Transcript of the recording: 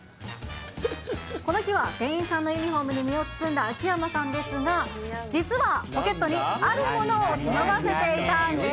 この日は、店員さんのユニホームに身を包んだ秋山さんですが、実はポケットに、あるものを忍ばせていたんです。